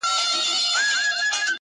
كله .كله ديدنونه زما بــدن خــوري.